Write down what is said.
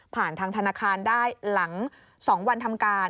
ทางธนาคารได้หลัง๒วันทำการ